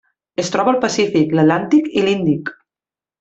Es troba al Pacífic, l'Atlàntic i l'Índic.